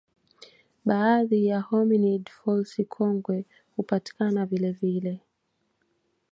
Baadhi ya hominid fossils kongwe hupatikana vilevile